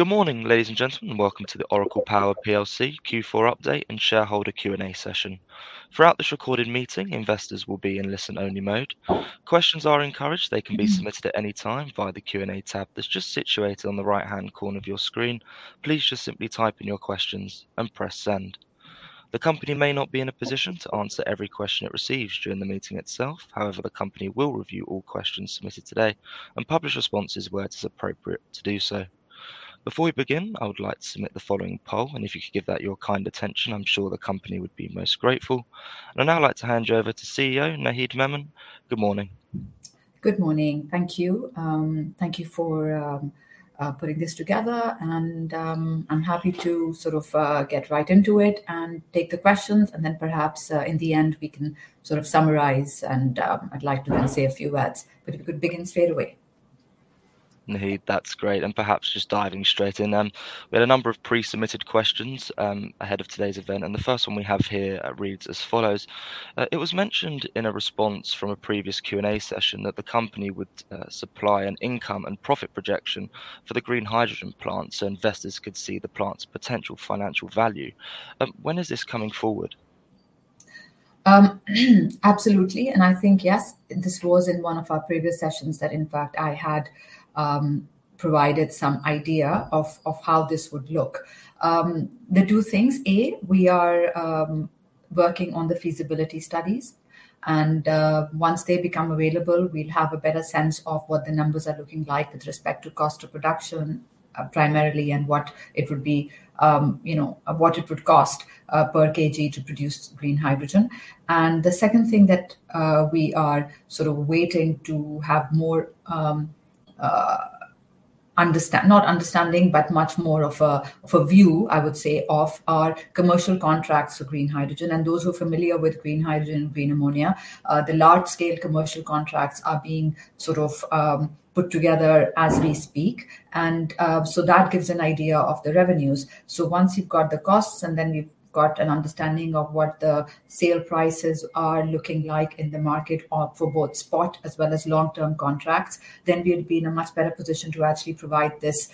Good morning, ladies and gentlemen. Welcome to the Oracle Power PLC Q4 Update and Shareholder Q&A Session. Throughout this recorded meeting, investors will be in listen-only mode. Questions are encouraged. They can be submitted at any time via the Q&A tab that's just situated on the right-hand corner of your screen. Please just simply type in your questions and press send. The company may not be in a position to answer every question it receives during the meeting itself. However, the company will review all questions submitted today and publish responses where it is appropriate to do so. Before we begin, I would like to submit the following poll, and if you could give that your kind attention, I'm sure the company would be most grateful. I'd now like to hand you over to CEO, Naheed Memon. Good morning. Good morning. Thank you. Thank you for putting this together and I'm happy to sort of get right into it and take the questions and then perhaps in the end we can sort of summarize and I'd like to then say a few words. If we could begin straight away. Naheed, that's great. Perhaps just diving straight in then. We had a number of pre-submitted questions ahead of today's event, and the first one we have here reads as follows: "It was mentioned in a response from a previous Q&A session that the company would supply an income and profit projection for the green hydrogen plant so investors could see the plant's potential financial value. When is this coming forward?" Absolutely. I think, yes, this was in one of our previous sessions that in fact I had provided some idea of how this would look. There are two things. A, we are working on the feasibility studies and, once they become available, we'll have a better sense of what the numbers are looking like with respect to cost of production, primarily and what it would be, you know, what it would cost per kg to produce green hydrogen. The second thing that we are sort of waiting to have more, much more of a view, I would say, of our commercial contracts for green hydrogen. Those who are familiar with green hydrogen, green ammonia, the large scale commercial contracts are being sort of put together as we speak. That gives an idea of the revenues. Once you've got the costs and then you've got an understanding of what the sale prices are looking like in the market or for both spot as well as long-term contracts, then we'll be in a much better position to actually provide this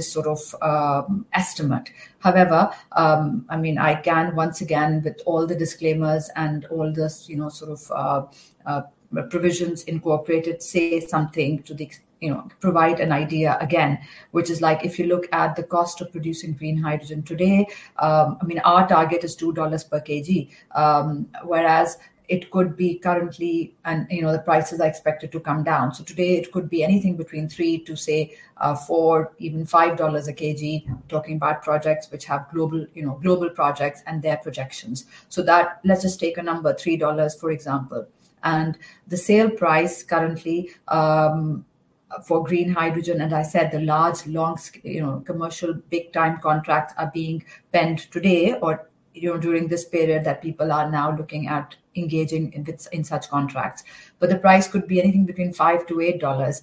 sort of estimate. However, I mean, I can once again, with all the disclaimers and all the, you know, sort of provisions incorporated provide an idea again, which is like if you look at the cost of producing green hydrogen today, I mean, our target is $2 per kg. Whereas it could be currently and, you know, the prices are expected to come down. Today it could be anything between $3 to say, $4, even $5 a kg. Talking about projects which have global, you know, global projects and their projections. Let's just take a number, $3, for example. The sale price currently for green hydrogen, and I said the large, you know, commercial big time contracts are being penned today or, you know, during this period that people are now looking at engaging in this, in such contracts. The price could be anything between $5-$8.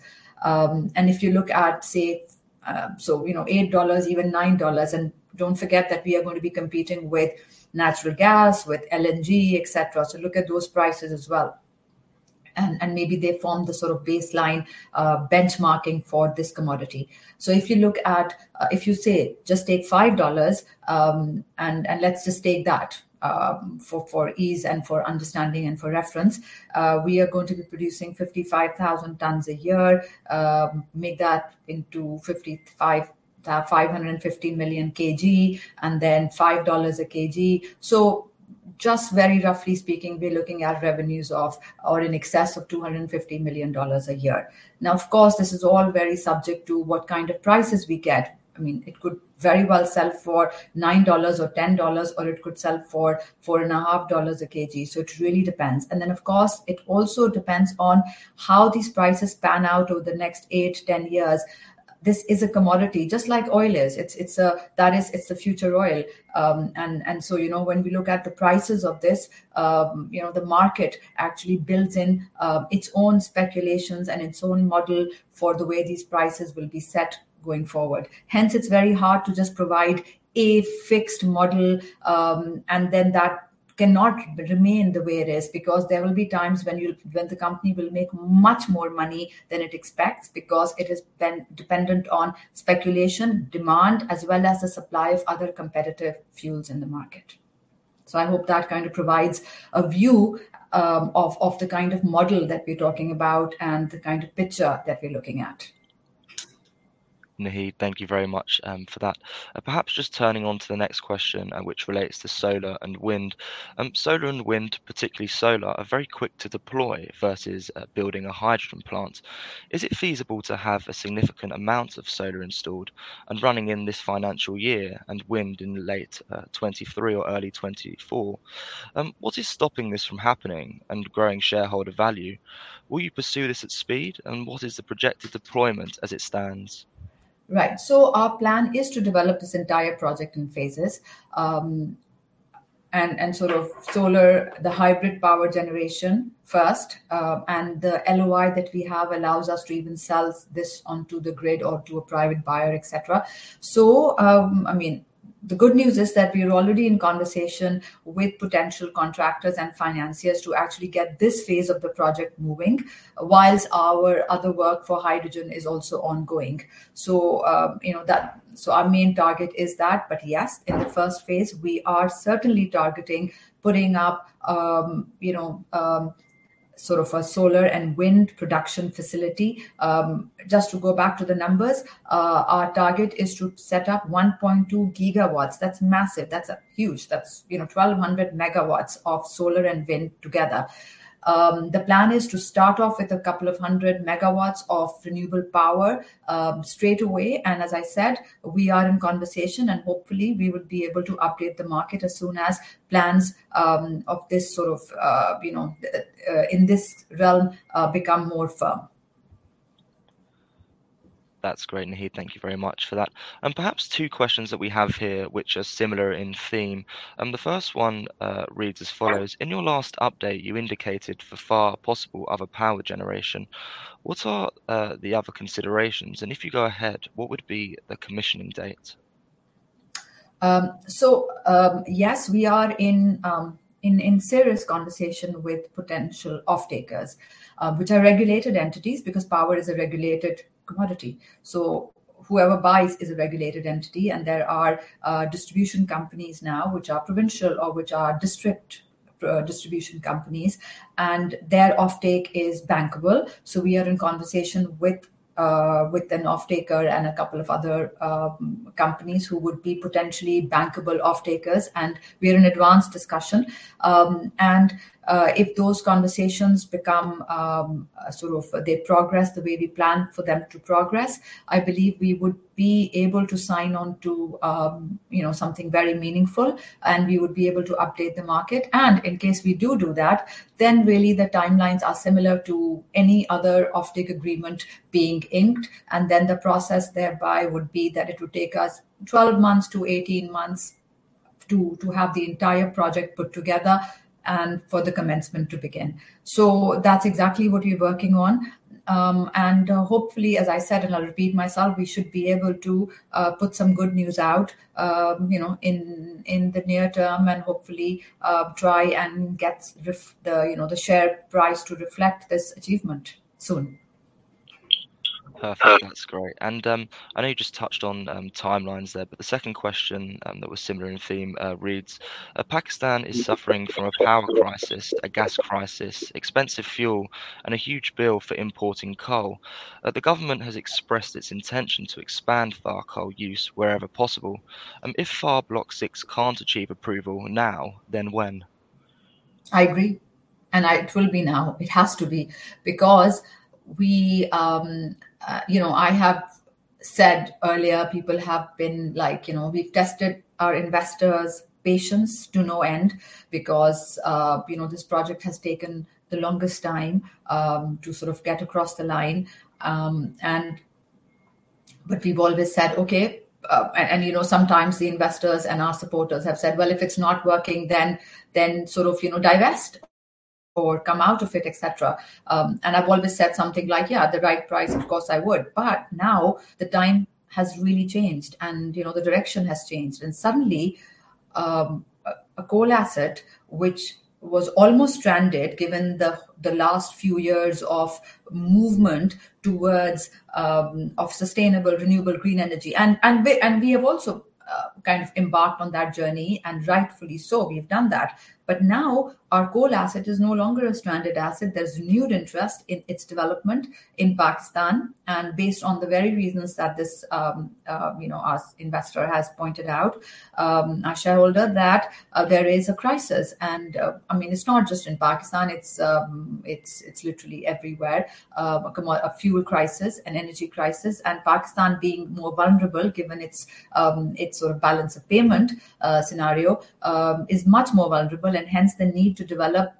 If you look at say, you know, $8, even $9, and don't forget that we are going to be competing with natural gas, with LNG, et cetera. Look at those prices as well, and maybe they form the sort of baseline benchmarking for this commodity. If you look at, if you say just take $5, and let's just take that, for ease and for understanding and for reference. We are going to be producing 55,000 tons a year. Make that into 550 million kg and then $5/kg. Just very roughly speaking, we're looking at revenues of or in excess of $250 million a year. Now, of course, this is all very subject to what kind of prices we get. I mean, it could very well sell for $9 or $10, or it could sell for $4.50 a kg. It really depends. Of course, it also depends on how these prices pan out over the next 8-10 years. This is a commodity just like oil is. It's the future oil. You know, when we look at the prices of this, you know, the market actually builds in its own speculations and its own model for the way these prices will be set going forward. Hence, it's very hard to just provide a fixed model, and that cannot remain the way it is because there will be times when the company will make much more money than it expects because it is dependent on speculation, demand, as well as the supply of other competitive fuels in the market. I hope that kind of provides a view of the kind of model that we're talking about and the kind of picture that we're looking at. Naheed, thank you very much for that. Perhaps just turning on to the next question, which relates to solar and wind. Solar and wind, particularly solar, are very quick to deploy versus building a hydrogen plant. Is it feasible to have a significant amount of solar installed and running in this financial year and wind in late 2023 or early 2024? What is stopping this from happening and growing shareholder value? Will you pursue this at speed? What is the projected deployment as it stands? Right. Our plan is to develop this entire project in phases, sort of solar hybrid power generation first, and the LOI that we have allows us to even sell this onto the grid or to a private buyer, et cetera. I mean. The good news is that we are already in conversation with potential contractors and financiers to actually get this phase of the project moving while our other work for hydrogen is also ongoing. You know, our main target is that, but yes, in the first phase, we are certainly targeting putting up, you know, sort of a solar and wind production facility. Just to go back to the numbers, our target is to set up 1.2 GW. That's massive. That's huge. That's, you know, 1,200 MW of solar and wind together. The plan is to start off with 200 MW of renewable power straight away. As I said, we are in conversation, and hopefully, we would be able to update the market as soon as plans of this sort of, you know, in this realm become more firm. That's great, Naheed. Thank you very much for that. Perhaps two questions that we have here which are similar in theme, and the first one, reads as follows: Yeah. "In your last update, you indicated for Thar, possible other power generation. What are, the other considerations? If you go ahead, what would be the commissioning date?" Yes, we are in serious conversation with potential off-takers, which are regulated entities because power is a regulated commodity. Whoever buys is a regulated entity, and there are distribution companies now which are provincial or which are district distribution companies, and their off-take is bankable. We are in conversation with an off-taker and a couple of other companies who would be potentially bankable off-takers, and we're in advanced discussion. If those conversations become sort of they progress the way we plan for them to progress, I believe we would be able to sign on to you know, something very meaningful, and we would be able to update the market. In case we do that, then really the timelines are similar to any other off-take agreement being inked. The process thereby would be that it would take us 12 months to 18 months to have the entire project put together and for the commencement to begin. That's exactly what we're working on. Hopefully, as I said, and I'll repeat myself, we should be able to put some good news out, you know, in the near term and hopefully try and get the share price to reflect this achievement soon. Perfect. That's great. I know you just touched on timelines there, but the second question that was similar in theme reads: "Pakistan is suffering from a power crisis, a gas crisis, expensive fuel, and a huge bill for importing coal. The government has expressed its intention to expand Thar coal use wherever possible. If Thar Block VI can't achieve approval now, then when?" I agree. It will be now. It has to be because we, you know, I have said earlier, people have been like, you know, we've tested our investors' patience to no end because, you know, this project has taken the longest time, to sort of get across the line. We've always said, okay, and, you know, sometimes the investors and our supporters have said, "Well, if it's not working, then sort of, you know, divest or come out of it," et cetera. I've always said something like, "Yeah, at the right price, of course, I would." Now the time has really changed, and, you know, the direction has changed. Suddenly, a coal asset which was almost stranded given the last few years of movement towards of sustainable, renewable green energy. We have also kind of embarked on that journey, and rightfully so, we have done that. Now our coal asset is no longer a stranded asset. There's renewed interest in its development in Pakistan, and based on the very reasons that this investor has pointed out, our shareholder that there is a crisis. It's not just in Pakistan, it's literally everywhere. A fuel crisis, an energy crisis, and Pakistan being more vulnerable given its sort of balance of payments scenario is much more vulnerable, and hence the need to develop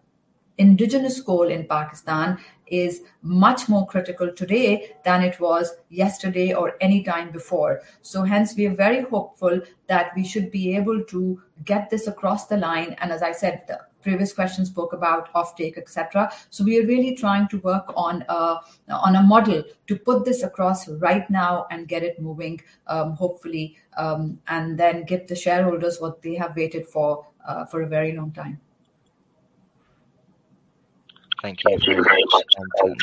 indigenous coal in Pakistan is much more critical today than it was yesterday or any time before. Hence we are very hopeful that we should be able to get this across the line. As I said, the previous question spoke about off-take, et cetera. We are really trying to work on a model to put this across right now and get it moving, hopefully, and then get the shareholders what they have waited for a very long time. Thank you very much.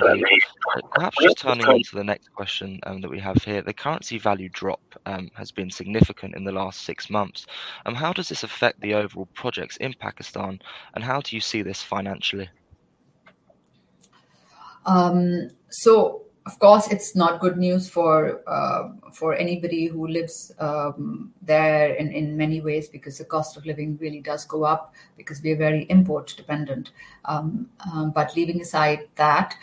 Perhaps just turning to the next question that we have here. The currency value drop has been significant in the last six months. How does this affect the overall projects in Pakistan, and how do you see this financially? Of course, it's not good news for anybody who lives there in many ways because the cost of living really does go up because we are very import dependent. Leaving aside that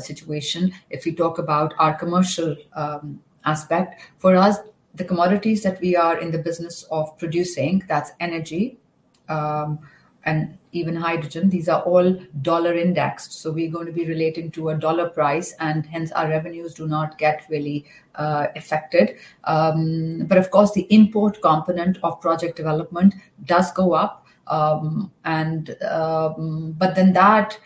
situation, if we talk about our commercial aspect, for us, the commodities that we are in the business of producing, that's energy and even hydrogen, these are all dollar-indexed, so we're going to be relating to a dollar price, and hence our revenues do not get really affected. Of course, the import component of project development does go up. Then that,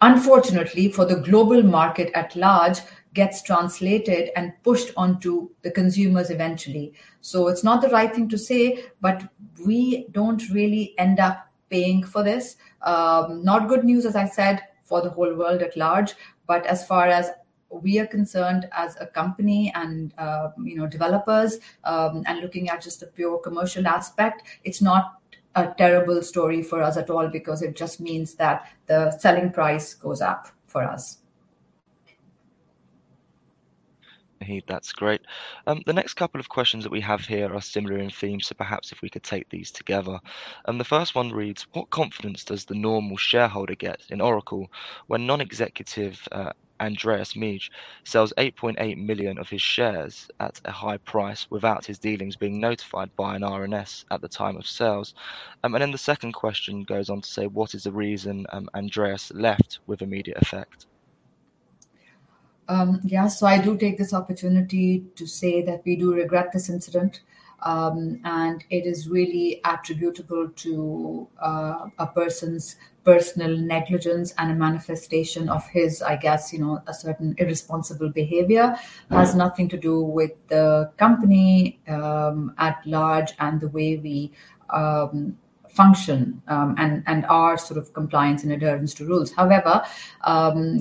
unfortunately, for the global market at large, gets translated and pushed onto the consumers eventually. It's not the right thing to say, but we don't really end up paying for this. Not good news, as I said, for the whole world at large. As far as we are concerned as a company and, you know, developers, and looking at just the pure commercial aspect, it's not a terrible story for us at all because it just means that the selling price goes up for us. That's great. The next couple of questions that we have here are similar in theme, so perhaps if we could take these together. The first one reads: "What confidence does the normal shareholder get in Oracle when non-executive Andreas Migge sells 8.8 million of his shares at a high price without his dealings being notified by an RNS at the time of sales?" Then the second question goes on to say, "what is the reason Andreas left with immediate effect?" Yeah. I do take this opportunity to say that we do regret this incident. It is really attributable to a person's personal negligence and a manifestation of his, I guess, you know, a certain irresponsible behavior. Has nothing to do with the company at large and the way we function and our sort of compliance and adherence to rules. However,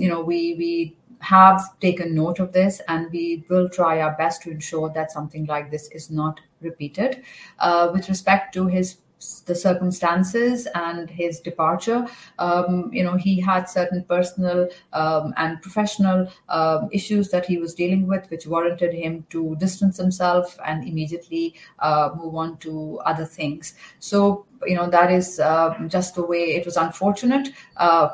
you know, we have taken note of this, and we will try our best to ensure that something like this is not repeated. With respect to the circumstances and his departure, you know, he had certain personal and professional issues that he was dealing with, which warranted him to distance himself and immediately move on to other things. You know, that is just the way. It was unfortunate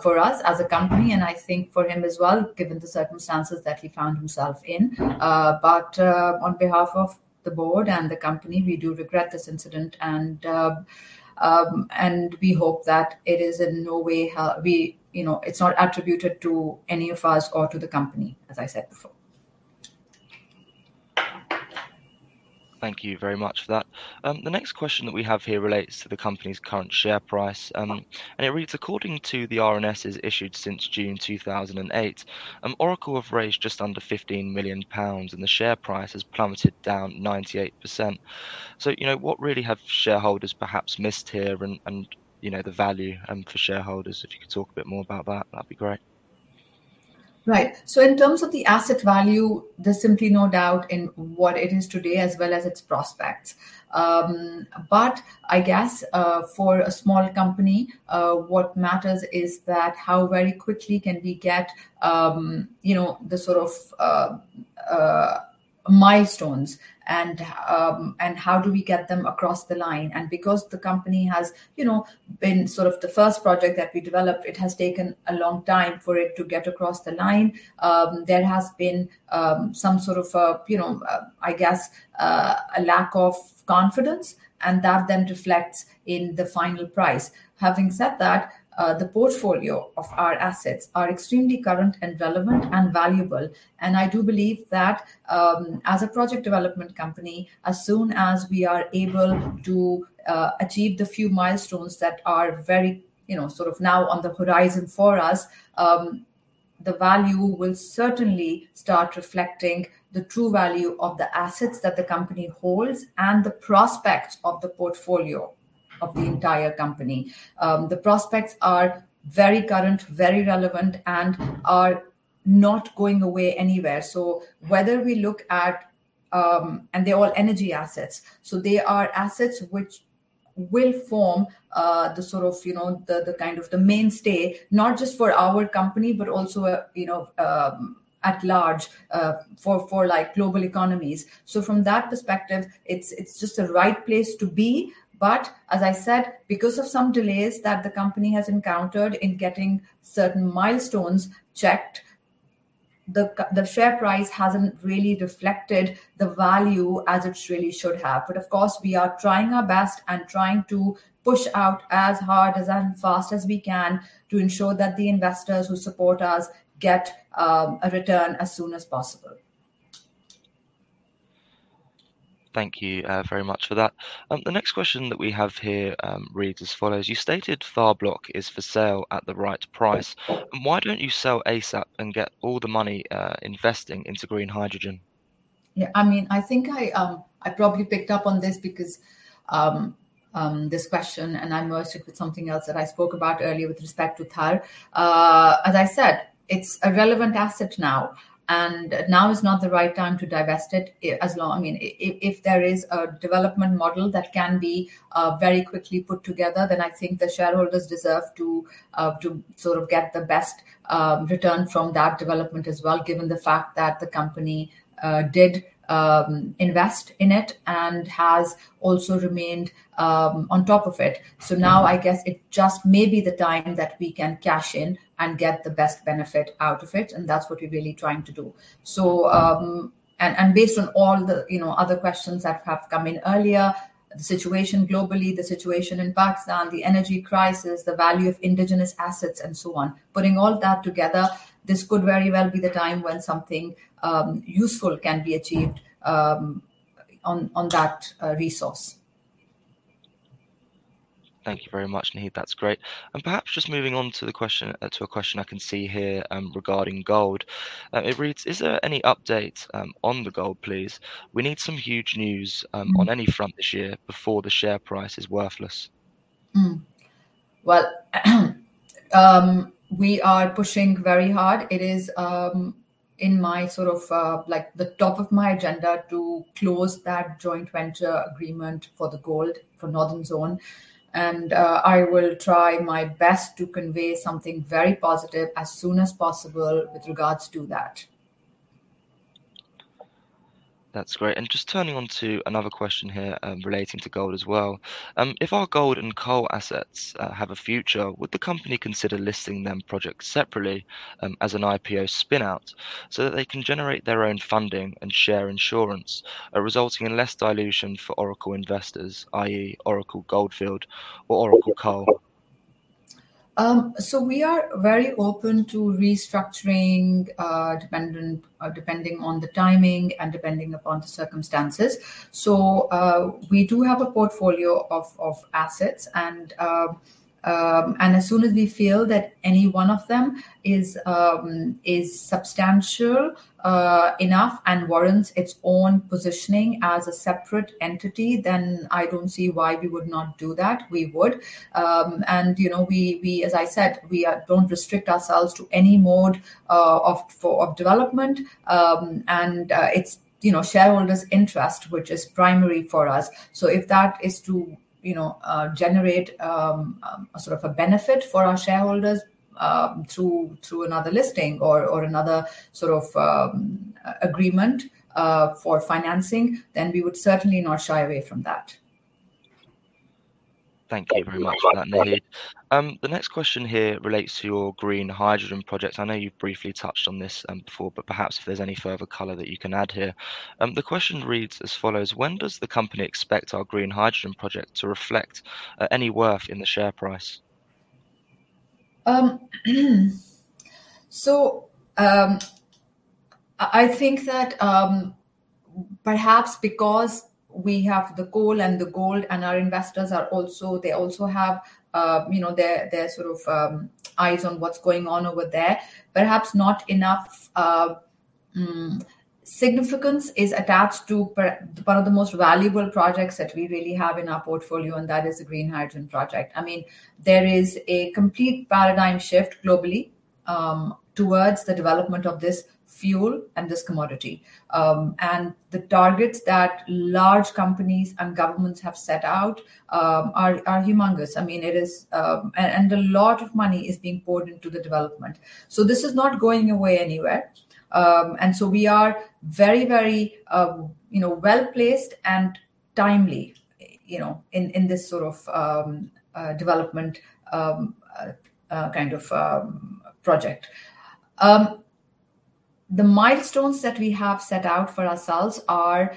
for us as a company, and I think for him as well, given the circumstances that he found himself in. On behalf of the board and the company, we do regret this incident and we hope that it is in no way, you know, it's not attributed to any of us or to the company, as I said before. Thank you very much for that. The next question that we have here relates to the company's current share price, and it reads: "According to the RNSs issued since June 2008, Oracle have raised just under 15 million pounds, and the share price has plummeted down 98%. You know, what really have shareholders perhaps missed here and you know, the value for shareholders. If you could talk a bit more about that'd be great." Right. In terms of the asset value, there's simply no doubt in what it is today as well as its prospects. I guess, for a small company, what matters is that how very quickly can we get, you know, the sort of milestones and how do we get them across the line. Because the company has, you know, been sort of the first project that we developed, it has taken a long time for it to get across the line. There has been some sort of, you know, I guess, a lack of confidence and that then reflects in the final price. Having said that, the portfolio of our assets are extremely current and relevant and valuable, and I do believe that, as a project development company, as soon as we are able to achieve the few milestones that are very, you know, sort of now on the horizon for us, the value will certainly start reflecting the true value of the assets that the company holds and the prospects of the portfolio of the entire company. The prospects are very current, very relevant, and are not going away anywhere. Whether we look at, and they're all energy assets. They are assets which will form the sort of, you know, the kind of the mainstay, not just for our company, but also, you know, at large, for like global economies. From that perspective, it's just the right place to be. As I said, because of some delays that the company has encountered in getting certain milestones checked, the share price hasn't really reflected the value as it really should have. Of course, we are trying our best and trying to push out as hard as and fast as we can to ensure that the investors who support us get a return as soon as possible. Thank you, very much for that. The next question that we have here reads as follows: "You stated Thar Block is for sale at the right price. Why don't you sell ASAP and get all the money, investing into green hydrogen?" Yeah. I mean, I think I probably picked up on this because this question and I merged it with something else that I spoke about earlier with respect to Thar. As I said, it's a relevant asset now, and now is not the right time to divest it. I mean, if there is a development model that can be very quickly put together, then I think the shareholders deserve to sort of get the best return from that development as well, given the fact that the company did invest in it and has also remained on top of it. Now I guess it just may be the time that we can cash in and get the best benefit out of it, and that's what we're really trying to do. based on all the, you know, other questions that have come in earlier, the situation globally, the situation in Pakistan, the energy crisis, the value of indigenous assets, and so on. Putting all that together, this could very well be the time when something useful can be achieved on that resource. Thank you very much, Naheed. That's great. Perhaps just moving on to a question I can see here, regarding gold. It reads: "Is there any update on the gold, please? We need some huge news on any front this year before the share price is worthless." Well, we are pushing very hard. It is in my sort of, like, the top of my agenda to close that joint venture agreement for the gold for Northern Zone and I will try my best to convey something very positive as soon as possible with regards to that. That's great. Just turning to another question here, relating to gold as well. If our gold and coal assets have a future, would the company consider listing them projects separately, as an IPO spin-out so that they can generate their own funding and share issuance, resulting in less dilution for Oracle investors, i.e., Oracle Goldfield or Oracle Coal? We are very open to restructuring, depending on the timing and depending upon the circumstances. We do have a portfolio of assets and as soon as we feel that any one of them is substantial enough and warrants its own positioning as a separate entity, then I don't see why we would not do that. We would. You know, as I said, we don't restrict ourselves to any mode of development. It's, you know, shareholders' interest which is primary for us. If that is to, you know, generate a sort of a benefit for our shareholders through another listing or another sort of agreement for financing, then we would certainly not shy away from that. Thank you very much for that, Naheed. The next question here relates to your Green Hydrogen projects. I know you've briefly touched on this, before, but perhaps if there's any further color that you can add here. The question reads as follows: "When does the company expect our Green Hydrogen Project to reflect any worth in the share price?" I think that perhaps because we have the coal and the gold and our investors also have, you know, their sort of eyes on what's going on over there. Perhaps not enough significance is attached to one of the most valuable projects that we really have in our portfolio, and that is the Green Hydrogen Project. I mean, there is a complete paradigm shift globally towards the development of this fuel and this commodity. And the targets that large companies and governments have set out are humongous. I mean, it is. A lot of money is being poured into the development. This is not going away anywhere. We are very you know well-placed and timely you know in this sort of development kind of project. The milestones that we have set out for ourselves are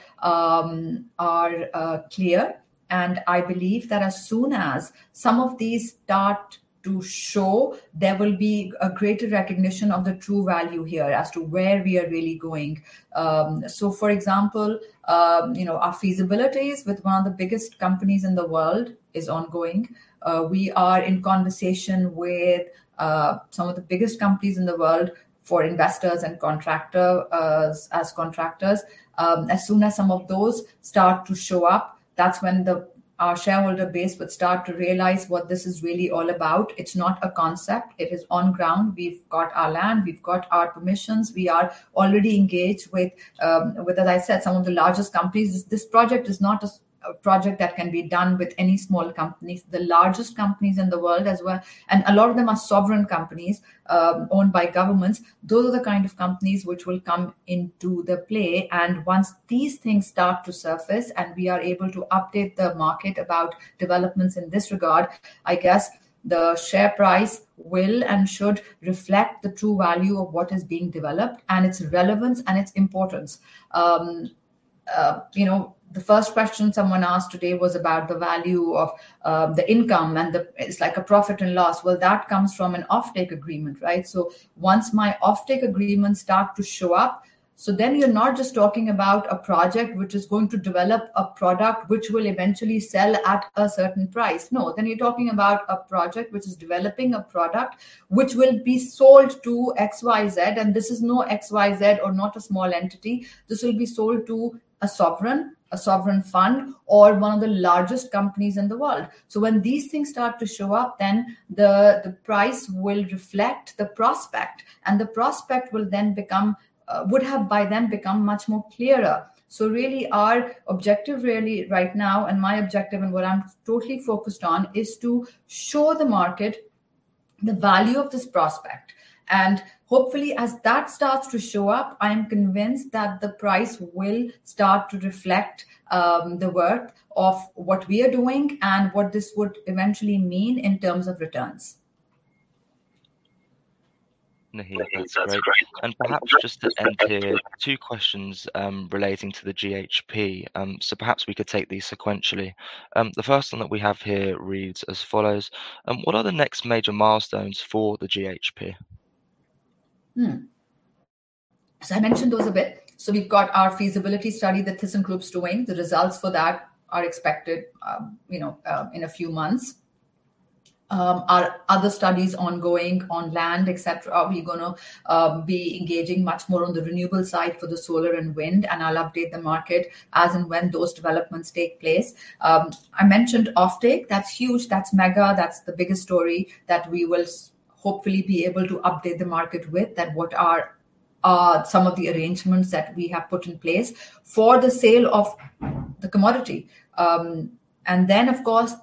clear, and I believe that as soon as some of these start to show, there will be a greater recognition of the true value here as to where we are really going. For example, you know, our feasibilities with one of the biggest companies in the world is ongoing. We are in conversation with some of the biggest companies in the world for investors and contractors. As soon as some of those start to show up, that's when our shareholder base would start to realize what this is really all about. It's not a concept. It is on ground. We've got our land. We've got our permissions. We are already engaged with, as I said, some of the largest companies. This project is not a project that can be done with any small companies. The largest companies in the world as well, and a lot of them are sovereign companies, owned by governments. Those are the kind of companies which will come into the play. Once these things start to surface and we are able to update the market about developments in this regard, I guess the share price will and should reflect the true value of what is being developed and its relevance and its importance. You know, the first question someone asked today was about the value of, the income and the it's like a profit and loss. Well, that comes from an off-take agreement, right? Once my off-take agreements start to show up, then you're not just talking about a project which is going to develop a product which will eventually sell at a certain price. No. You're talking about a project which is developing a product which will be sold to XYZ, and this is no XYZ or not a small entity. This will be sold to a sovereign, a sovereign fund, or one of the largest companies in the world. When these things start to show up, then the price will reflect the prospect, and the prospect will then become would have by then become much more clearer. Really our objective really right now and my objective and what I'm totally focused on is to show the market the value of this prospect. Hopefully, as that starts to show up, I am convinced that the price will start to reflect the worth of what we are doing and what this would eventually mean in terms of returns. Naheed, that's great. Perhaps just to end here, two questions, relating to the GHP. Perhaps we could take these sequentially. The first one that we have here reads as follows: "What are the next major milestones for the GHP?" I mentioned those a bit. We've got our feasibility study that ThyssenKrupp's doing. The results for that are expected, you know, in a few months. Our other study is ongoing on land, et cetera. We're gonna be engaging much more on the renewable side for the solar and wind, and I'll update the market as and when those developments take place. I mentioned off-take. That's huge. That's mega. That's the biggest story that we will hopefully be able to update the market with, and what are some of the arrangements that we have put in place for the sale of the commodity. Of course,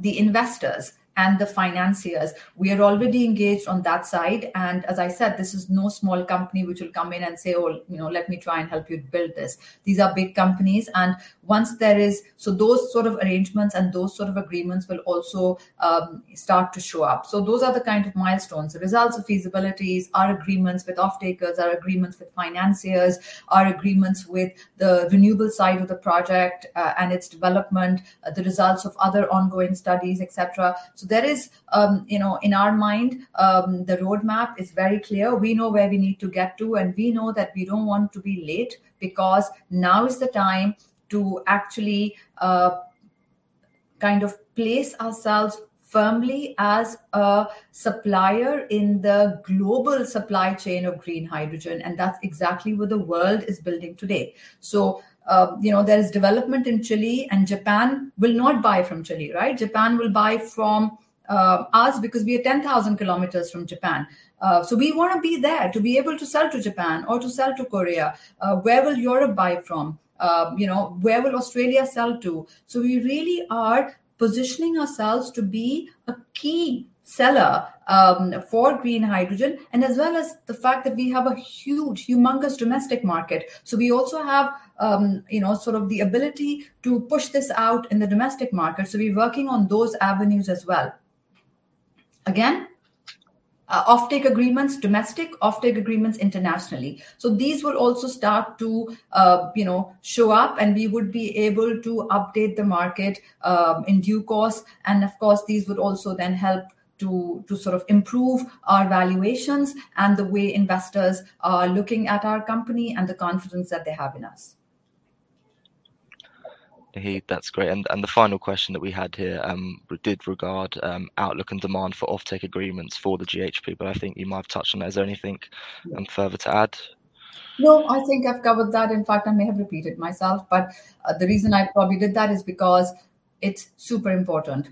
the investors and the financiers. We are already engaged on that side and, as I said, this is no small company which will come in and say, "Oh, you know, let me try and help you build this." These are big companies and once there is. Those sort of arrangements and those sort of agreements will also start to show up. Those are the kind of milestones. The results of feasibilities, our agreements with off-takers, our agreements with financiers, our agreements with the renewable side of the project, and its development, the results of other ongoing studies, et cetera. There is, you know, in our mind, the roadmap is very clear. We know where we need to get to, and we know that we don't want to be late because now is the time to actually, kind of place ourselves firmly as a supplier in the global supply chain of green hydrogen, and that's exactly what the world is building today. You know, there is development in Chile and Japan will not buy from Chile, right? Japan will buy from us because we are 10,000 km from Japan. We wanna be there to be able to sell to Japan or to sell to Korea. Where will Europe buy from? You know, where will Australia sell to? We really are positioning ourselves to be a key seller for green hydrogen, and as well as the fact that we have a huge, humongous domestic market. We also have, you know, sort of the ability to push this out in the domestic market, so we're working on those avenues as well. Again, off-take agreements domestic, off-take agreements internationally. These will also start to, you know, show up, and we would be able to update the market, in due course. Of course, these would also then help to sort of improve our valuations and the way investors are looking at our company and the confidence that they have in us. Naheed, that's great. The final question that we had here regarding outlook and demand for off-take agreements for the GHP, but I think you might have touched on that. Is there anything further to add? No, I think I've covered that. In fact, I may have repeated myself. The reason I probably did that is because it's super important.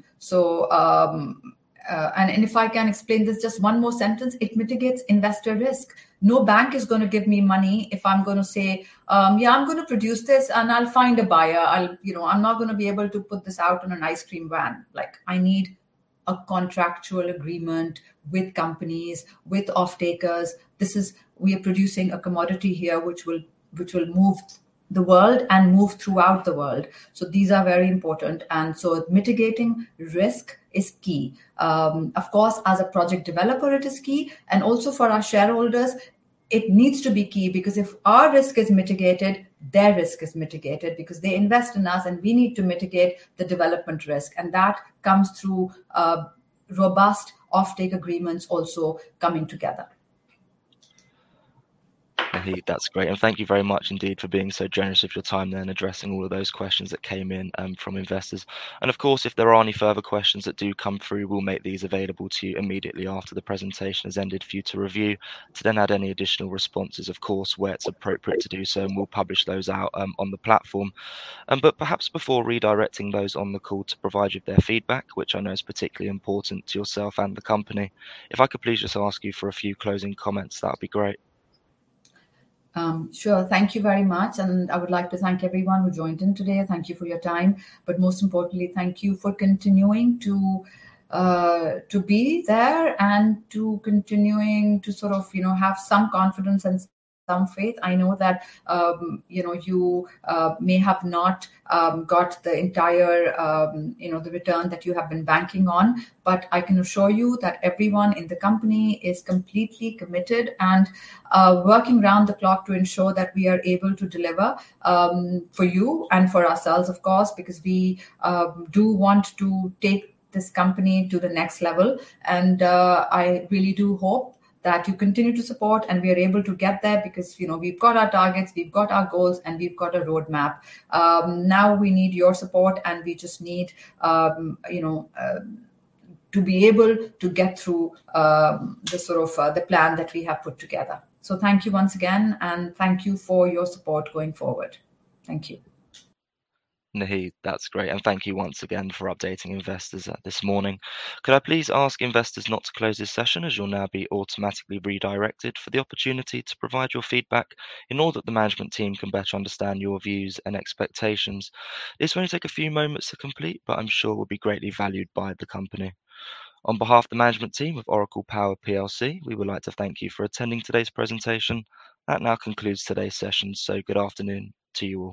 If I can explain this just one more sentence, it mitigates investor risk. No bank is gonna give me money if I'm gonna say, "Yeah, I'm gonna produce this, and I'll find a buyer." You know, I'm not gonna be able to put this out on an ice cream van. Like, I need a contractual agreement with companies, with off-takers. We are producing a commodity here which will move the world and move throughout the world, so these are very important. Mitigating risk is key. Of course, as a project developer, it is key, and also for our shareholders it needs to be key because if our risk is mitigated, their risk is mitigated because they invest in us, and we need to mitigate the development risk, and that comes through robust off-take agreements also coming together. Naheed, that's great. Thank you very much indeed for being so generous with your time then addressing all of those questions that came in, from investors. Of course, if there are any further questions that do come through, we'll make these available to you immediately after the presentation has ended for you to review to then add any additional responses, of course, where it's appropriate to do so, and we'll publish those out, on the platform. Perhaps before redirecting those on the call to provide you their feedback, which I know is particularly important to yourself and the company, if I could please just ask you for a few closing comments, that'd be great. Sure. Thank you very much, and I would like to thank everyone who joined in today. Thank you for your time. Most importantly, thank you for continuing to be there and continuing to sort of, you know, have some confidence and some faith. I know that, you know, you may have not got the entire, you know, the return that you have been banking on, but I can assure you that everyone in the company is completely committed and working around the clock to ensure that we are able to deliver for you and for ourselves, of course, because we do want to take this company to the next level. I really do hope that you continue to support and we are able to get there because, you know, we've got our targets, we've got our goals, and we've got a roadmap. Now we need your support, and we just need, you know, to be able to get through the sort of plan that we have put together. Thank you once again, and thank you for your support going forward. Thank you. Naheed, that's great. Thank you once again for updating investors, this morning. Could I please ask investors not to close this session, as you'll now be automatically redirected, for the opportunity to provide your feedback in order that the management team can better understand your views and expectations. This will only take a few moments to complete, but I'm sure will be greatly valued by the company. On behalf of the management team of Oracle Power PLC, we would like to thank you for attending today's presentation. That now concludes today's session, so good afternoon to you all.